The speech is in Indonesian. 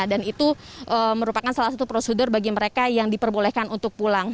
itu merupakan salah satu prosedur bagi mereka yang diperbolehkan untuk pulang